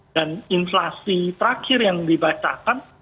dan inflasi terakhir yang dibacakan